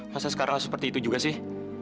masa sekarang seperti itu juga sih